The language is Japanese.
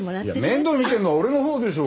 面倒見てるのは俺のほうでしょ。